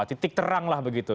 titik terang lah begitu